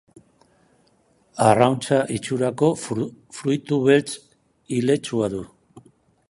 Arrautza itxurako fruitu beltz iletsua du.